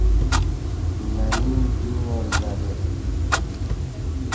ننی دیو وار زہ یے